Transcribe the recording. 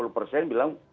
delapan puluh persen bilang